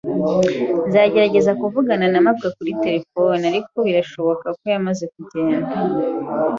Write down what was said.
Nzagerageza kuvugana na mabwa kuri terefone, ariko birashoboka ko yamaze kugenda.